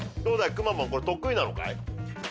くまモンこれ得意なのかい？